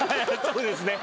そうですね